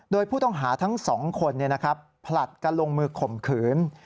โดยผู้ต้องหาทั้ง๒คนผลัดกันลงมือข่มขืน